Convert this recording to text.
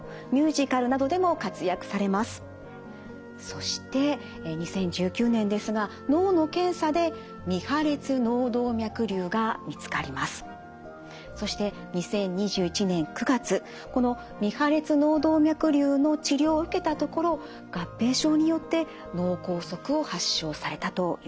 そして２０１９年ですが脳の検査でそして２０２１年９月この未破裂脳動脈瘤の治療を受けたところを合併症によって脳梗塞を発症されたということです。